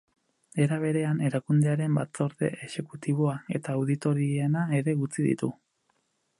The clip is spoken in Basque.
Era berean, erakundearen batzorde exekutiboa eta auditoriena ere utzi ditu.